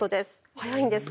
早いんです。